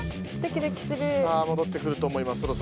さあ戻ってくると思います。